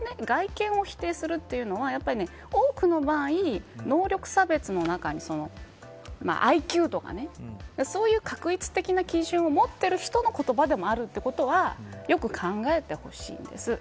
それを外見を否定するというのは多くの場合、能力差別の中にＩＱとか、そういう画一的な基準を持ってる人の言葉でもあるということはよく考えてほしいんです。